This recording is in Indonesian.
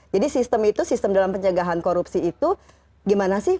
jadi sistem itu sistem dalam pencegahan korupsi itu gimana sih